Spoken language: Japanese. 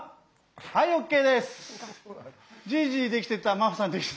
はいＯＫです！